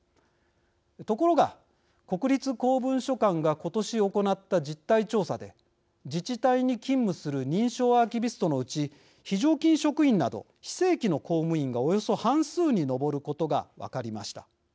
ところが、国立公文書館が今年行った実態調査で自治体に勤務する認証アーキビストのうち非常勤職員など非正規の公務員がおよそ半数に上ることが分かりました。